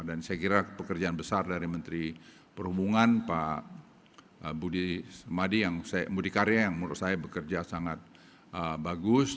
dan saya kira pekerjaan besar dari menteri perhubungan pak budi karya yang menurut saya bekerja sangat bagus